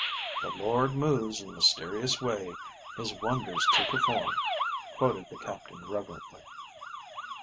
"The Lord moves in a mysterious way His wonders to perform," quoted the Captain reverently.